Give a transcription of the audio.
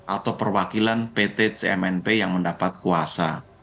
atau perwakilan pt cmnp yang mendapat kuasa